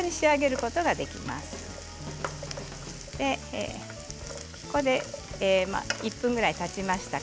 ここで１分ぐらいたちました。